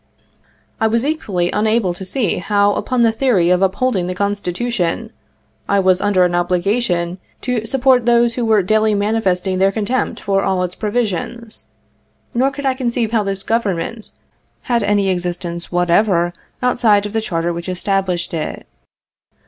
I was equally unable to see how, upon the theory of upholding the Constitution, I was under an obliga tion to support those who were daily manifesting their contempt for all its provisions — nor could I conceive how this Government had any ex istence whatever outside of the charter which established it.